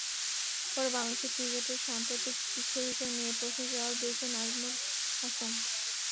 পরে বাংলাদেশের ক্রিকেটের সাম্প্রতিক কিছু বিষয় নিয়ে প্রশ্নের জবাব দিয়েছেন নাজমুল হাসান।